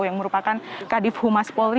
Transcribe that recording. yang merupakan kadif humas polri